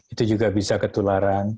itu juga bisa ketularan